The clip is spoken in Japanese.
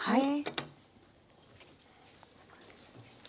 はい。